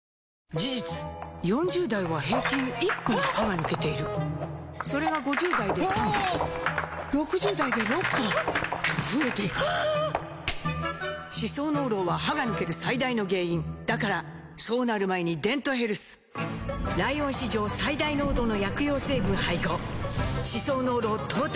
事実４０代は平均１本歯が抜けているそれが５０代で３本６０代で６本と増えていく歯槽膿漏は歯が抜ける最大の原因だからそうなる前に「デントヘルス」ライオン史上最大濃度の薬用成分配合歯槽膿漏トータルケア！